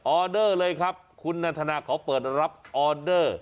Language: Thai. อเดอร์เลยครับคุณนันทนาเขาเปิดรับออเดอร์